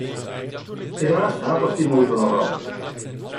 Helaas hapert die motor nogal.